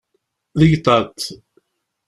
D igḍaḍ.